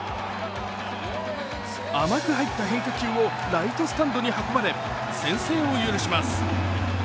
甘く入った変化球をライトスタンドに運ばれ先制を許します。